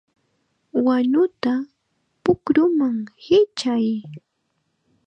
¡Wanuta pukruman hichay!